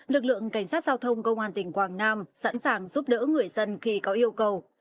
lực lượng cảnh sát giao thông công an tỉnh quảng nam sẵn sàng giúp đỡ người dân khi có yêu cầu